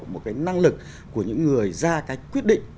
một cái năng lực của những người ra cái quyết định